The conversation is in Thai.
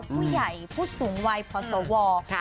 ผู้ใหญ่ผู้สูงวัยพศว